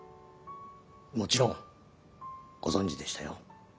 もちろんご存じでしたよ。